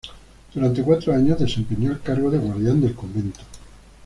Durante cuatro años desempeñó el cargo de guardián del convento.